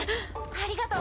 ありがと。